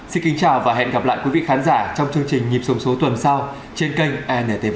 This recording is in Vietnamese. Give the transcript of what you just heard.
xin kính chào và hẹn gặp lại quý vị khán giả trong chương trình nhịp sống số tuần sau trên kênh antv